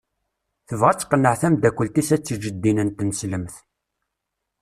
Tebɣa ad tqenneɛ tamdakelt-is ad teǧǧ ddin n tneslemt.